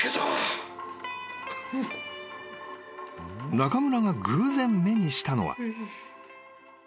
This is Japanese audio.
［中村が偶然目にしたのは］